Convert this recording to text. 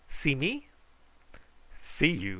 SEE ME?" "See you!